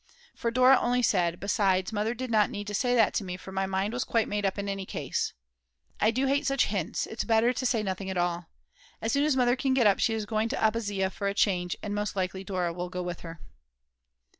For Dora only said: "Besides, Mother did not need to say that to me, for my mind was quite made up in any case." I do hate such hints, it's better to say nothing at all. As soon as Mother can get up she is going to Abbazia for a change, and most likely Dora will go with her.